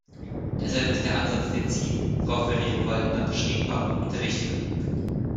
Deshalb ist der Ansatz, den Sie, Frau Ferrero-Waldner, beschrieben haben, der richtige.